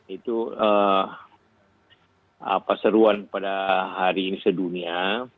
itu seruan pada hari ini sedunia